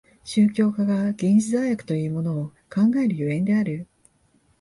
宗教家が原始罪悪というものを考える所以である。